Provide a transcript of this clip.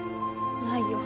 ないよ。